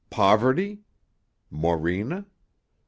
Poverty? Morena?